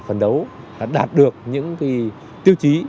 phấn đấu đạt được những tiêu chí